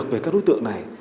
về các đối tượng này